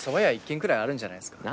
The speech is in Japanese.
１軒くらいあるんじゃないっすか。